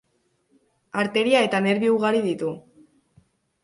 Arteria eta nerbio ugari ditu.